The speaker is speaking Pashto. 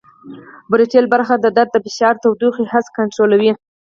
پریټل برخه د درد فشار او تودوخې حس کنترولوي